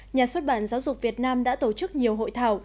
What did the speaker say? nhà xuất bản giáo dục việt nam đã tổ chức nhiều hội thảo